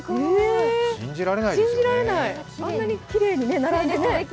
信じられない、あんなにきれにい並んでね。